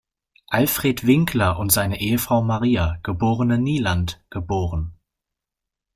Alfred Winckler und seiner Ehefrau Maria, geborene Nieland, geboren.